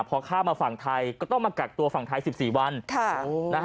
พอข้ามมาฝั่งไทยก็ต้องมากักตัวฝั่งไทย๑๔วัน